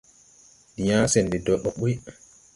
Ndi yãã sɛn de dɔɔ ɓɔg ɓuy.